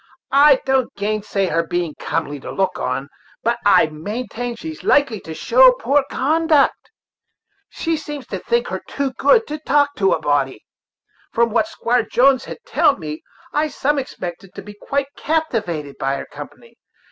I don't gainsay her being comely to look on, but I will maintain that she's likely to show poor conduct. She seems to think herself too good to talk to a body. From what Squire Jones had telled me, I some expected to be quite captivated by her company.